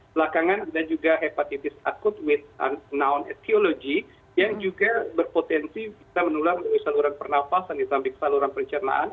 belakangan ada juga hepatitis akut yang juga berpotensi menular saluran pernafasan saluran pencernaan